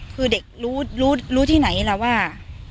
คือเด็กรู้ที่ไหนล่ะว่า